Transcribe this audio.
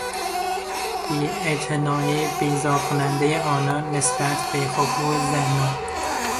بیاعتنایی بیزار کنندهی آنان نسبت به حقوق زنان